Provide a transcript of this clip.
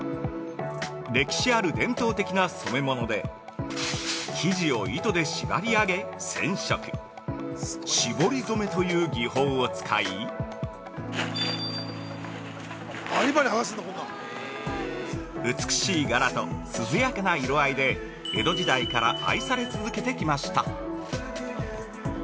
歴史ある伝統的な染め物で生地を糸で縛り上げ染色、「絞り染め」と言う技法を使い、美しい柄と涼やかな色合いで江戸時代から愛され続けてきました。